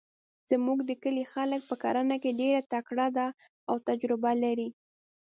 زموږ د کلي خلک په کرنه کې ډیرتکړه ده او تجربه لري